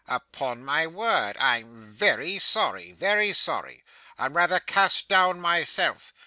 'Upon my word, I'm very sorry, very sorry. I'm rather cast down myself.